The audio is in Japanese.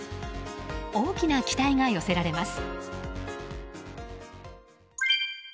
大きな期待が寄せられます。